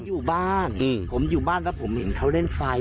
อยู่บ้านผมอยู่บ้านแล้วผมเห็นเขาเล่นไฟ